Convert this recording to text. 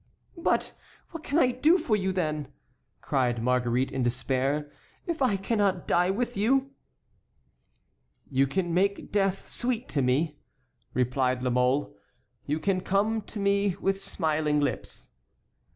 "But what can I do for you, then," cried Marguerite, in despair, "if I cannot die with you?" "You can make death sweet to me," replied La Mole; "you can come to me with smiling lips."